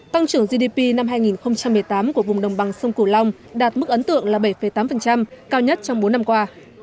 tăng trưởng gdp năm hai nghìn một mươi tám của vùng đồng bằng sông cửu long đạt mức ấn tượng là bảy tám cao nhất trong bốn năm qua